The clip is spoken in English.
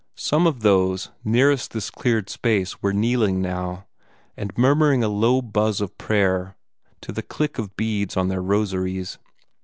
Some of those nearest this cleared space were kneeling now, and murmuring a low buzz of prayer to the click of beads on their rosaries.